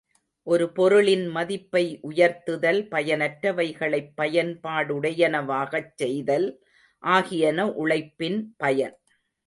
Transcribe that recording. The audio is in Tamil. ஒரு பொருளின் மதிப்பை உயர்த்துதல் பயனற்றவைகளைப் பயன்பாடுடையனவாகச் செய்தல் ஆகியன உழைப்பின் பயன்.